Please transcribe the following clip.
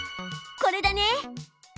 これだね！